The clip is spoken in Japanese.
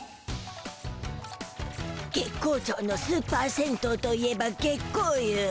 月光町のスーパー銭湯といえば月光湯。